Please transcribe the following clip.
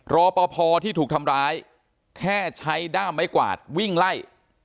รอปภที่ถูกทำร้ายแค่ใช้ด้ามไม้กวาดวิ่งไล่